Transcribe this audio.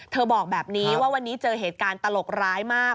บอกแบบนี้ว่าวันนี้เจอเหตุการณ์ตลกร้ายมาก